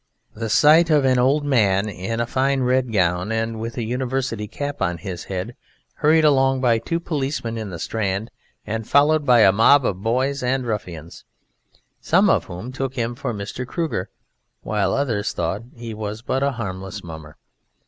The sight of an old man in a fine red gown and with a University cap on his head hurried along by two policemen in the Strand and followed by a mob of boys and ruffians, some of whom took him for Mr. Kruger, while others thought he was but a harmless mummer.